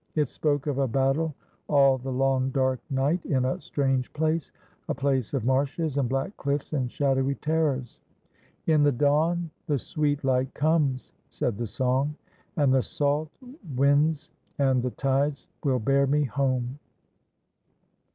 It spoke of a battle all the long dark night in a strange place — a place of marshes and black cliffs and shadowy terrors. "/» the dawn the sweet light comes, ''^ said the song, " and the salt winds and the tides will hear me home."